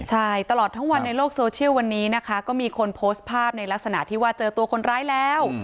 ใช่ตลอดทั้งวันในโลกโซเชียลวันนี้นะคะก็มีคนโพสต์ภาพในลักษณะที่ว่าเจอตัวคนร้ายแล้ว